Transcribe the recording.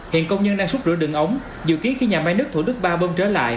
hiện công nhân đang xúc rửa đường ống dự kiến khi nhà máy nước thủ đức ba bông trở lại